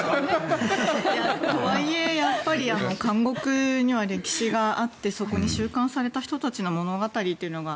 とはいえやっぱり監獄には歴史があってそこに収監された人たちの物語というのが